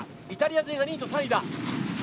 イタリア勢が２位と３位だ。